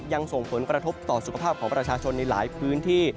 ยังส่งผลกระทบต่อสุขภาพของประชาชนในหลายพื้นที่